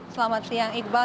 selamat siang iqbal